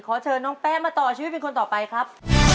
เชิญน้องแป๊ะมาต่อชีวิตเป็นคนต่อไปครับ